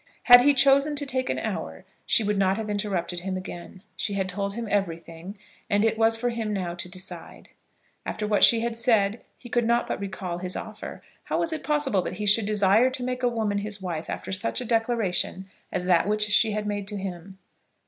Had he chosen to take an hour, she would not have interrupted him again. She had told him everything, and it was for him now to decide. After what she had said he could not but recall his offer. How was it possible that he should desire to make a woman his wife after such a declaration as that which she had made to him?